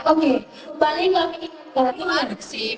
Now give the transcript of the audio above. oke paling lagi tidak ada sih